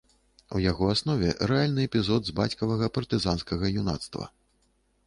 У яго аснове рэальны эпізод з бацькавага партызанскага юнацтва.